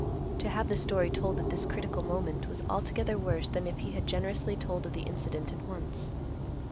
To have the story told at this critical moment was altogether worse than if he had generously told of the incident at once.